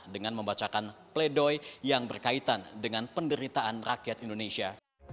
dengan membacakan pledoi yang berkaitan dengan penderitaan rakyat indonesia